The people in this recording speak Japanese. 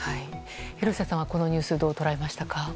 廣瀬さん、このニュースどう捉えましたか？